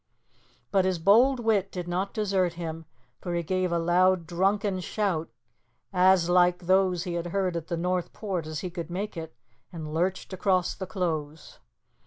But his bold wit did not desert him, for he gave a loud drunken shout, as like those he had heard at the North Port as he could make it, and lurched across the close.